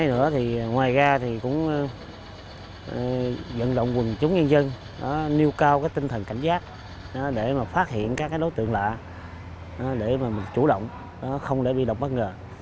rồi dẫn động quân chúng nhân dân nêu cao cái tinh thần cảnh giác để mà phát hiện các cái đối tượng lạ để mà mình chủ động không để bị đọc bất ngờ